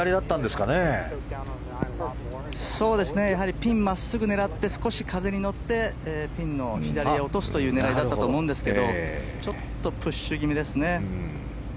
ピン真っすぐを狙って少し風に乗って、ピンの左に落とすという狙いだったと思うんですけどちょっとプッシュ気味ですね。